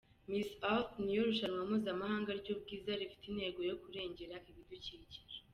Miss Earth ni ryo rushanwa mpuzamahanga ry’ubwiza rifite intego yo kurengera ibidukikije.